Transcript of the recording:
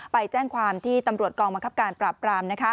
ไปแจ้งความที่ตำรวจกองบังคับการปราบปราม